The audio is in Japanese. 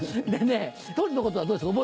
当時のことはどうですか？